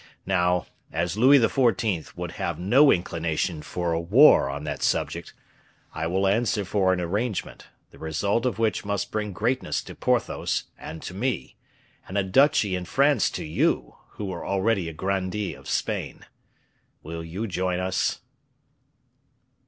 Now, as Louis XIV. would have no inclination for a war on that subject, I will answer for an arrangement, the result of which must bring greatness to Porthos and to me, and a duchy in France to you, who are already a grandee of Spain. Will you join us?"